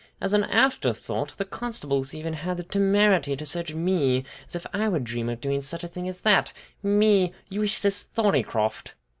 As an after thought, the constables even had the temerity to search me, as if I would dream of doing such a thing as that, me, Eustace Thorneycroft!